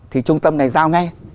thì trung tâm này giao ngay